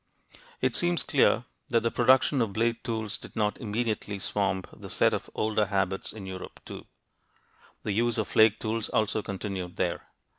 It seems clear that the production of blade tools did not immediately swamp the set of older habits in Europe, too; the use of flake tools also continued there.